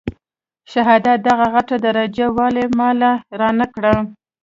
د شهادت دغه غټه درجه يې ولې ما له رانه کړه.